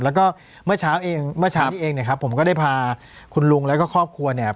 แล้วก็เมื่อเช้าเองเมื่อเช้านี้เองเนี่ยครับผมก็ได้พาคุณลุงแล้วก็ครอบครัวเนี่ย